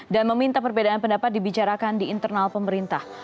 dan meminta perbedaan pendapat dibicarakan di internal pemerintah